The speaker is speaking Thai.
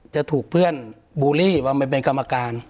จะถูกเพื่อนบูลลี่มาเป็นกรรมการ